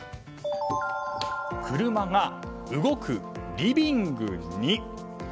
車が動くリビングに。